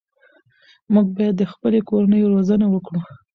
موږ باید د خپلې کورنۍ روزنه وکړو.